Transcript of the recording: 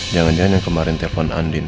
jangan jangan yang kemarin telpon andin